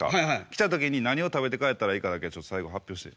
来た時に何を食べて帰ったらええかだけちょっと最後発表して。